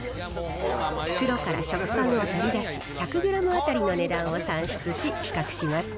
袋から食パンを取り出し、１００グラム当たりの値段を算出し、比較します。